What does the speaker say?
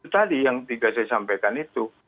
tadi yang tiga saya sampaikan itu